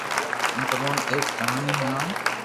ھون تمو ني ايڪ ڪہاني ھڻاو